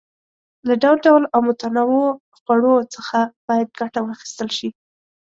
له ډول ډول او متنوعو خوړو څخه باید ګټه واخیستل شي.